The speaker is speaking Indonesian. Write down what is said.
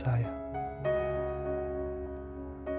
saya takut kehilangan kamu